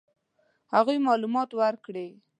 هغوی معلومات ورکړي.